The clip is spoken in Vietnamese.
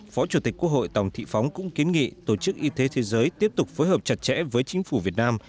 phó chủ tịch quốc hội tòng thị phóng cũng kiến nghị tổ chức y tế thế giới tiếp tục phối hợp chặt chẽ với chính phủ việt nam